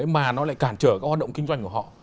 mà nó lại cản trở các hoạt động kinh doanh của họ